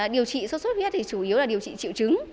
điều trị sốt xuất huyết thì chủ yếu là điều trị triệu chứng